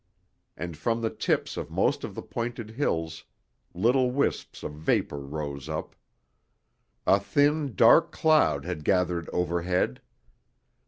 And from the tips of most of the pointed hills little wisps of vapor rose up. A thin, dark cloud had gathered overhead.